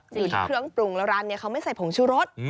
อยู่ที่เครื่องปรุงแล้วร้านนี้เขาไม่ใส่ผงชูรส